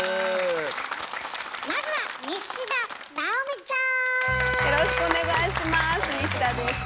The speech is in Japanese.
まずはよろしくお願いします西田です。